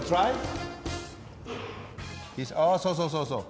おそうそうそうそう。